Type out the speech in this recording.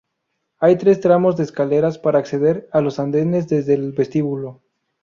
Hay tres tramos de escaleras para acceder a los andenes desde el vestíbulo.